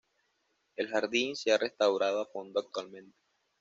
El jardín se ha restaurado a fondo actualmente.